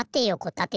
たて。